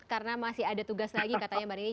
karena masih ada tugas lagi katanya mbak nini